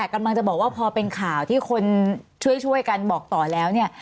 กำลังจะบอกว่าพอเป็นข่าวที่คนช่วยกันบอกต่อแล้วเนี่ย